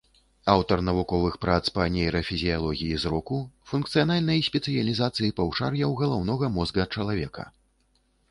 Аўтар навуковых прац па нейрафізіялогіі зроку, функцыянальнай спецыялізацыі паўшар'яў галаўнога мозга чалавека.